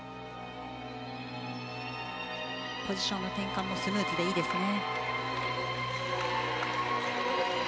ポジションの転換もスムーズでいいですね。